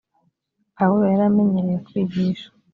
pawulo yari amenyereye kwigisha.